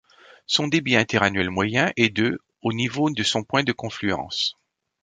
Son débit inter annuel moyen est de au niveau de son point de confluence.